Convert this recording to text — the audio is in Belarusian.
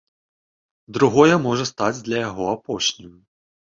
Другое можа стаць для яго апошнім.